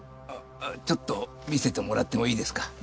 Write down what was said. あっちょっと見せてもらってもいいですか？